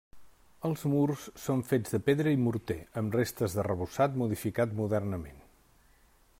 Els murs són fets de pedra i morter amb restes d'arrebossat modificat modernament.